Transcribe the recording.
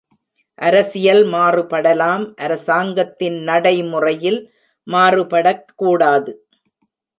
அரசியல் மாறுபடலாம் அரசாங்கத்தின் நடைமுறையில் மாறுபடக் கூடாது.